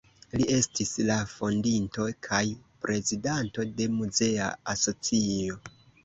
Li estis la fondinto kaj prezidanto de muzea asocio.